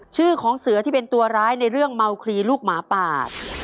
ชื่อของเสือที่เป็นตัวร้ายในเรื่องเมาคลีลูกหมาป่า